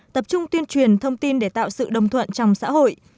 tập trung tuyên truyền thông tin để tạo sự đồng thuận trong xã hội